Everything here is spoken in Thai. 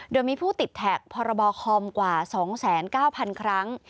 โดยมีผู้ติดแท็กพคกว่า๒๙๐๐๐๐๐ครั้ง